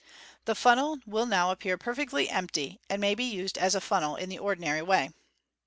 The funnel will now appear perfectly empty, and may be used as a funnel in the ordinary way.